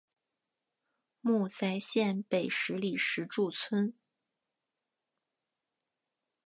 墓在县北十里石柱村。